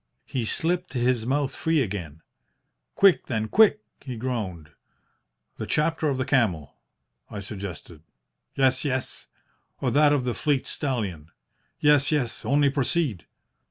He slipped his mouth free again. "'Quick, then, quick!' he groaned. "'The Chapter of the Camel?' I suggested. "'Yes, yes.' "'Or that of the Fleet Stallion?' "'Yes, yes. Only proceed!'